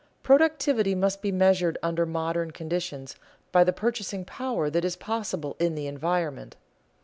Productivity must be measured under modern conditions by the purchasing power that is possible in the environment.